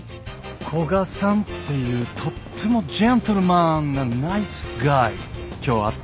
古賀さんっていうとってもジェントルマンなナイスガイ今日会ったよ。